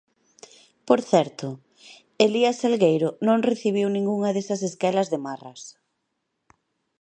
Por certo, Elías Salgueiro non recibiu ningunha desas esquelas de marras...